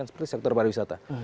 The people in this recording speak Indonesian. seperti sektor pariwisata